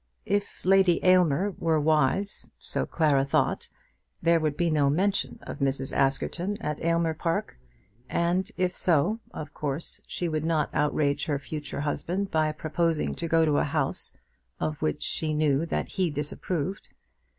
If Lady Aylmer were wise, so Clara thought, there would be no mention of Mrs. Askerton at Aylmer Park; and, if so, of course she would not outrage her future husband by proposing to go to a house of which she knew that he disapproved.